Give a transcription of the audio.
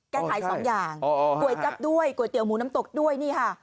ขายสองอย่างก๋วยจับด้วยก๋วยเตี๋ยหมูน้ำตกด้วยนี่ค่ะ